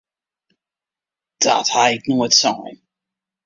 Dat ha ik noait sein!